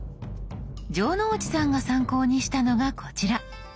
城之内さんが参考にしたのがこちら。